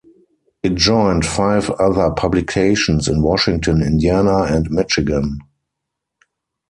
It joined five other publications in Washington, Indiana, and Michigan.